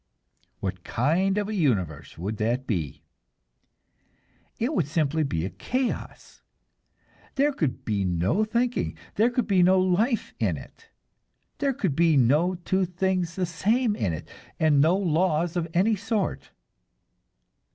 What kind of a universe would that be? It would simply be a chaos; there could be no thinking, there could be no life in it; there could be no two things the same in it, and no laws of any sort.